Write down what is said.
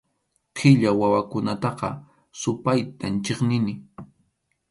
Qilla wawakunataqa supaytam chiqnini.